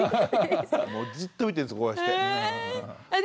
もうずっと見てるんですこうやって。